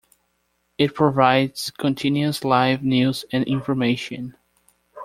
It provides continuous live news and information.